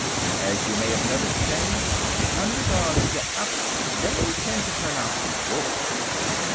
As you may have noticed, today, when underdogs get up, they tend to turn out to be wolves."